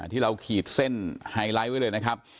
ที่เราขีดเส้นไฮไลท์ไว้เลยนะครับ